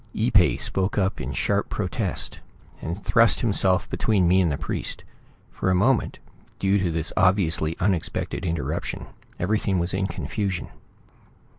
Ee pay spoke up in sharp protest, and thrust himself between me and the priest. For a moment, due to this obviously unexpected interruption, everything was in confusion.